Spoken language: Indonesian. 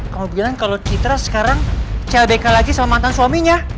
kamu bilang kalau citra sekarang clbk lagi sama mantan suaminya